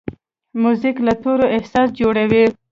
موزیک له تورو احساس جوړوي.